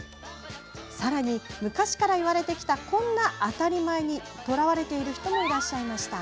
さらに、昔から言われてきたこんな当たり前にとらわれている人もいらっしゃいました。